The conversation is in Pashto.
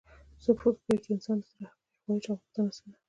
څوک فکر کوي چې د انسان د زړه حقیقي خواهش او غوښتنه څه ده